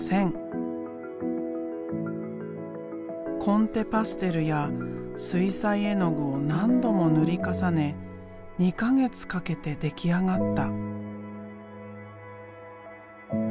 コンテパステルや水彩絵の具を何度も塗り重ね２か月かけて出来上がった。